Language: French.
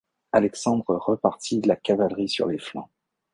Alexandre répartit la cavalerie sur les flancs.